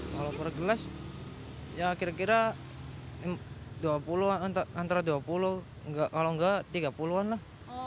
kalau per gelas ya kira kira antara dua puluh kalau enggak tiga puluh an lah